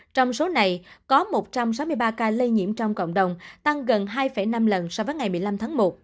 trong số này có một trăm sáu mươi ba ca lây nhiễm trong cộng đồng tăng gần hai năm lần so với ngày một mươi năm tháng một